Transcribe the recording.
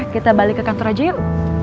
kita balik ke kantor aja yuk